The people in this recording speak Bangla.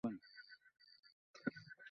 কিন্তু, কেমন দিন কাটালেন?